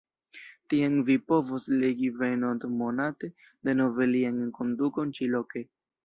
Tiam vi povos legi venontmonate denove lian enkondukon ĉi-loke!